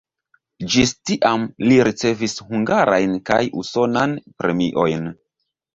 Ĝis tiam li ricevis hungarajn kaj usonan premiojn.